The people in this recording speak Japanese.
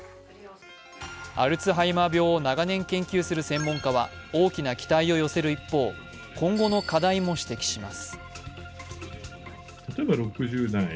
アルツハイマー病を長年研究する専門家は大きな期待を寄せる一方、今後の課題も指摘します。